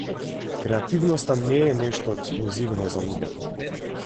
Креативноста не е нешто ексклузивно за луѓето.